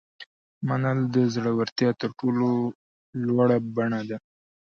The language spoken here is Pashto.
منل د زړورتیا تر ټولو لوړه بڼه ده.